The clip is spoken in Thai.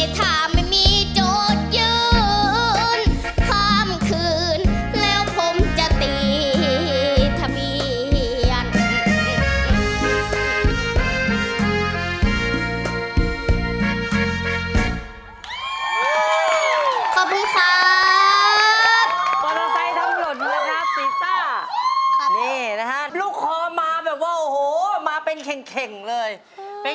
ข้ามวันห้ามทวงเอาคืน